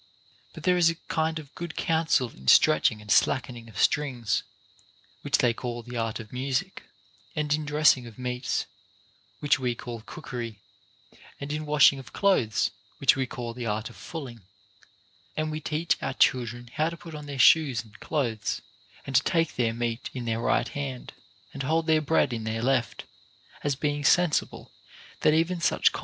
J3ut there is a kind of good counsel in stretching and slackening of strings, which they call the art of music ; and in dressing of meats, which we call cookery ; and in wash ing of clothes, which we call the art of fulling ; and we teach our children how to put on their shoes and clothes, and to take their meat in their right hand, and hold their bread in their left ; as being sensible that even such com 480 OF FORTUNE.